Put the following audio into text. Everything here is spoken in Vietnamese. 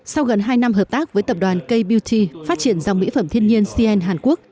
sau gần hai năm hợp tác với tập đoàn k beauty phát triển dòng mỹ phẩm thiên nhiên cn hàn quốc